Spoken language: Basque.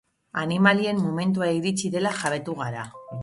Animalien momentua iritsi dela jabetu gara.